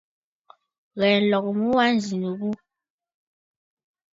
Ghɛ̀ɛ nlɔgə mu wa nzì nɨ ghu.